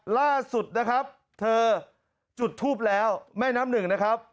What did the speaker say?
ล่าสุดนะครับเธอจุดทูปแล้วแม่น้ำหนึ่งนะครับ